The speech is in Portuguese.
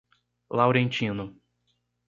Laurentino